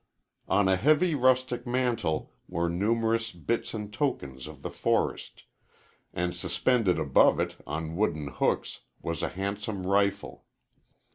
On a heavy rustic mantel were numerous bits and tokens of the forest, and suspended above it, on wooden hooks, was a handsome rifle.